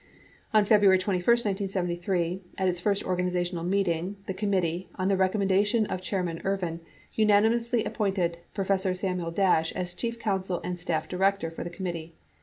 On February 21, 1973, at its first organizational meeting, the com mittee, on the recommendation of Chairman Ervin, unanimously ap pointed Professor Samuel Dash as chief counsel and staff director for the committee.